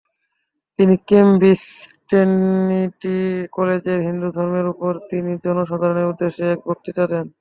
তিনি কেমব্রিজের ট্রিনিটি কলেজে হিন্দুধর্মের উপর তিনি জনসাধারণের উদ্দেশ্যে এক বক্তৃতা দেন।